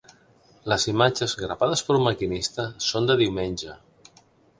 Les imatges, gravades per un maquinista, són de diumenge.